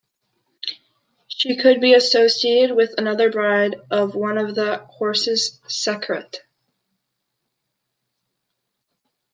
She could be associated with another bride of one of the Horuses, Serket.